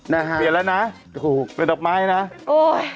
นะฮะเปลี่ยนแล้วนะถูกเป็นดอกไม้นะโอ้ย